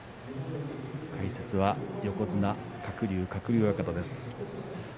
解説は横綱鶴竜の鶴竜親方です。